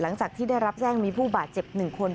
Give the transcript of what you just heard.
หลังจากที่ได้รับแจ้งมีผู้บาดเจ็บ๑คน